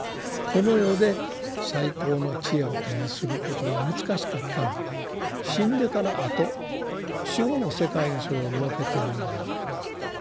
この世で最高の智慧を手にすることが難しかったら死んでからあと死後の世界にそれを設けてみようではないかと。